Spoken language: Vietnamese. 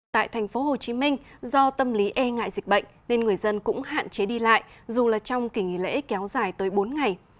tại thành phố hồ chí minh do tâm lý e ngại dịch bệnh nên người dân cũng hạn chế đi lại dù là trong kỳ nghỉ lễ kéo dài tới bốn ngày